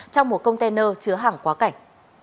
trong một container chứa hàng quá cảnh